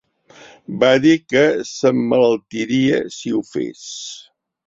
Va dir que s'emmalaltiria si ho fes.